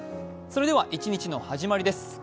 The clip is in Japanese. それでは一日の始まりです。